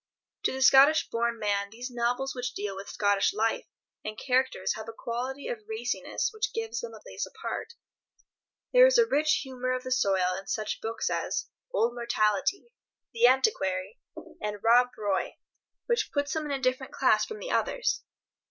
To the Scottish born man those novels which deal with Scottish life and character have a quality of raciness which gives them a place apart. There is a rich humour of the soil in such books as "Old Mortality," "The Antiquary," and "Rob Roy," which puts them in a different class from the others.